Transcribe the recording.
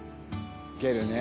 ゲルね。